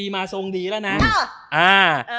มาทรงนี้แล้วน่ะอ้าอ่า